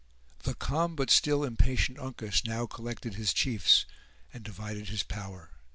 The calm but still impatient Uncas now collected his chiefs, and divided his power.